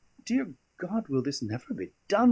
"Dear God, will this never be done?"